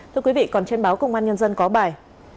thưa quý vị còn trên báo công an nhân dân có bài